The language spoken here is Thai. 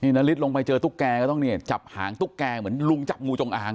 นาริสลงไปเจอตุ๊กแกก็ต้องเนี่ยจับหางตุ๊กแกเหมือนลุงจับงูจงอาง